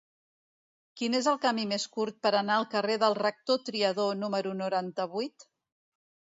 Quin és el camí més curt per anar al carrer del Rector Triadó número noranta-vuit?